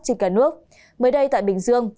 trên cả nước mới đây tại bình dương